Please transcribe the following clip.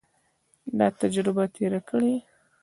دا تجربه تېره کړي.